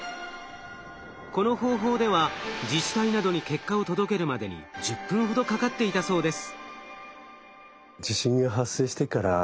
この方法では自治体などに結果を届けるまでに１０分ほどかかっていたそうです。